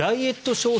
商品